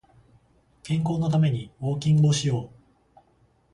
健康のためにウォーキングをしよう